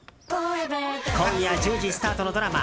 今夜１０時スタートのドラマ